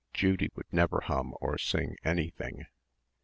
Judy would never hum or sing anything.